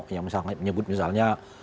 yang menyebut misalnya